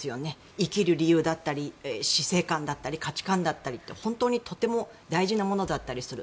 生きる理由だったり死生観だったり価値観だったりってとても大事なものだったりする。